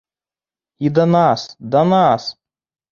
І да нас, да нас!